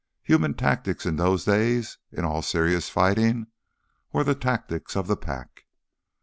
Human tactics in those days, in all serious fighting, were the tactics of the pack.